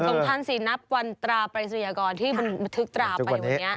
สำคัญสินับวันตราปรายศนียากรที่บันทึกตราไปวันนี้